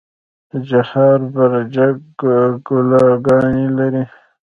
چهار برجک کلاګانې لري؟